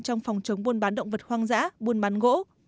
trong phòng chống buôn bán động vật hoang dã buôn bán gỗ